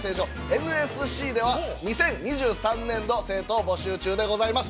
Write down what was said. ＮＳＣでは２０２３年度生徒を募集中でございます。